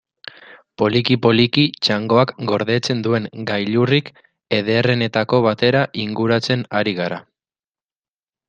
Poliki-poliki, txangoak gordetzen duen gailurrik ederrenetako batera inguratzen ari gara.